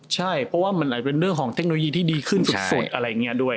ใช่เพราะว่ามันอาจเป็นเรื่องของเทคโนโลยีที่ดีขึ้นสุดอะไรอย่างนี้ด้วย